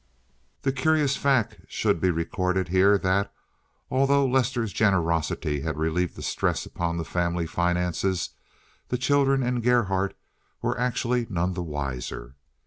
The curious fact should be recorded here that, although Lester's generosity had relieved the stress upon the family finances, the children and Gerhardt were actually none the wiser.